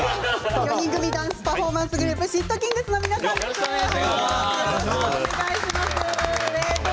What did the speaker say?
４人組ダンスパフォーマンスグループｓ＊＊ｔｋｉｎｇｚの皆さんです。